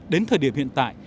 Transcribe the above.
đến thời điểm hiện tại